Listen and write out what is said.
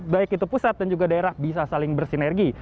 baik itu pusat dan juga daerah bisa saling bersinergi